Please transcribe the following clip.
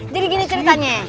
jadi begini ceritanya